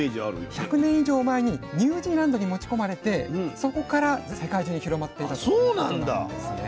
１００年以上前にニュージーランドに持ち込まれてそこから世界中に広まっていったということなんですね。